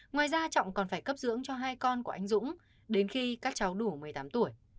ngoài ra trọng còn phải cấp dưỡng cho hai con của anh dũng đến khi các cháu đủ một mươi tám tuổi